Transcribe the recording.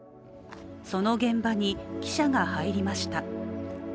その現場に記者が入りました。